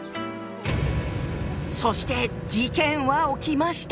そして事件は起きました！